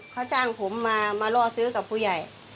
เขาจ้างผมมามาล่อซื้อกับผู้ใหญ่